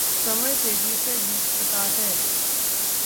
समय तेज़ी से बीतता है।